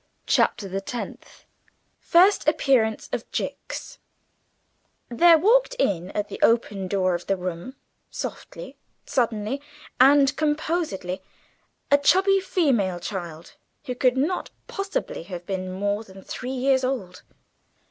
CHAPTER THE TENTH First Appearance of Jicks THERE walked in, at the open door of the room softly, suddenly, and composedly a chubby female child, who could not possibly have been more than three years old.